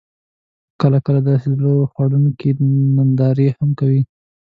کله، کله داسې زړه خوړونکې نندارې هم کوي: